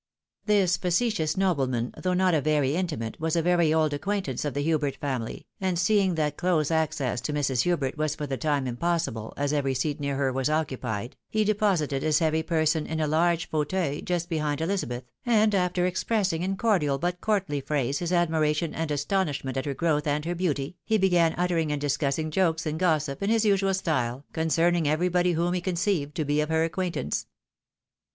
319 This facetious nobleman, though not a very intimate, was a very old acquaintance of the Hubert family, and seeing that close access to Mrs. Hubert was for the time impossible, as every seat near her was occupied, he deposited his heavy person in a large fauteuil just behind EHzabeth, and after expressing in cordial but courtly phrase his admiration and astonishment at her growth and her beauty, he began uttering and discussing jokes and gossip, in his usual style, concerning everybody whom he conceived to be of her acquaintance.